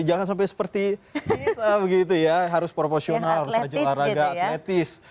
jangan sampai seperti kita begitu ya harus proporsional harus ada olahraga atletis